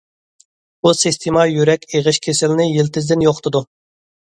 بۇ سىستېما يۈرەك ئېغىش كېسىلىنى يىلتىزىدىن يوقىتىدۇ.